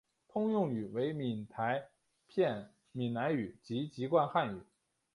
通用语为闽台片闽南语及籍贯汉语。